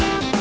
ya itu dia